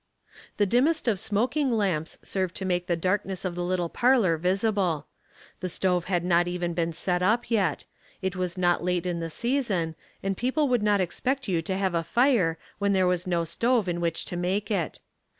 The dimmest of smoking lamps served to make the darkness of the little parlor visible. The stove had not even been set nip yet ; it was not late in the season, and people would not expect you to have a fire when there was no stove in which to make it.